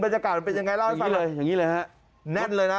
บรรยากาศมันเป็นอย่างไรเล่าให้สำหรับอย่างนี้เลยแน่นเลยนะ